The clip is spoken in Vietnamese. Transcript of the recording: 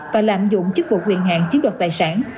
và lạm dụng chức vụ quyền hạng chiếm đoạt tài sản